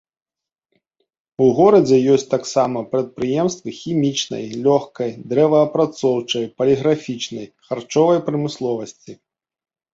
У горадзе ёсць таксама прадпрыемствы хімічнай, лёгкай, дрэваапрацоўчай, паліграфічнай, харчовай прамысловасці.